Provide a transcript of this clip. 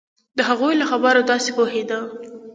د هغوی له خبرو داسې پوهېده.